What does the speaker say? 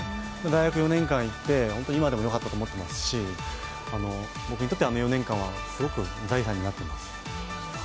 大学４年間行って本当に今でもよかったと思っていますし僕にとって、あの４年間はすごく財産になっています。